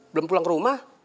belum pulang ke rumah